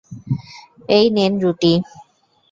এই নেন রুটি।